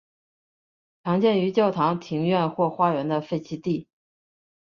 常见于教堂庭院或花园的废弃地。